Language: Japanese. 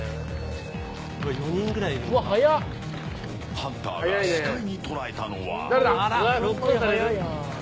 ハンターが視界に捉えたのは。